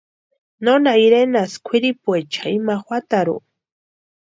Nónha irenhasti kwʼiripuecha ima juatarhu.